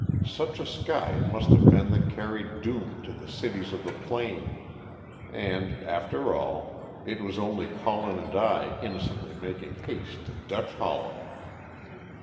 Such a sky it must have been that carried doom to the cities of the plain. And, after all, it was only Colin and I innocently making haste to Dutch Hollow!